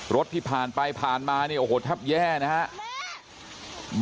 รถที่ผ่านไปผ่านมาเนี่ยโอ้โหแทบแย่นะครับ